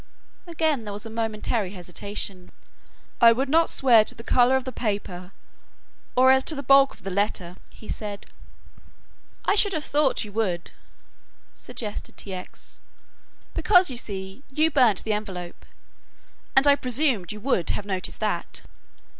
Again there was that momentary hesitation. "I would not swear to the color of the paper or as to the bulk of the letter," he said. "I should have thought you would," suggested T. X., "because you see, you burnt the envelope, and I presumed you would have noticed that."